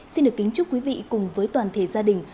xin được kính chúc quý vị cùng với toàn thể gia đình